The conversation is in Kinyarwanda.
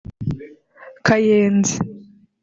Kayenzi